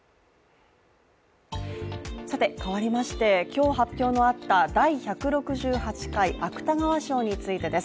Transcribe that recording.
変わりまして今日、発表のあった第１６８回芥川賞についてです。